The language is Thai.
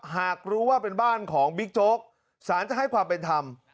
หากรู้ว่าเป็นบ้านของบิ๊กโจ๊กสารจะให้ความเป็นธรรม